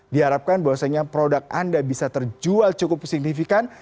diharapkan bahwasanya produk anda bisa terjual cukup signifikan